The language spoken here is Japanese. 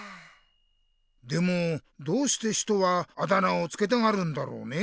でもどうして人はあだ名をつけたがるんだろうね？